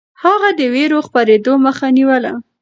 هغه د وېرو خپرېدو مخه نيوله.